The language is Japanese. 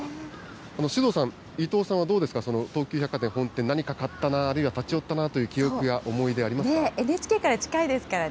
首藤さん、伊藤さんはどうですか、東急百貨店本店、何か買ったなとか、あるいは立ち寄ったなという記憶、思い出ありＮＨＫから近いですからね。